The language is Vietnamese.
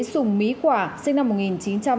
sùng mý quả sinh năm một nghìn chín trăm tám mươi năm